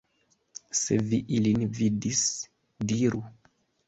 Se vi ilin vidis, diru!